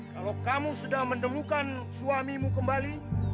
kalau kamu sudah menemukan suamimu kembali